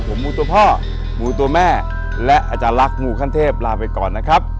ผมหมูตัวพ่อหมูตัวแม่และอาจารย์ลักษ์มูขั้นเทพลาไปก่อนนะครับ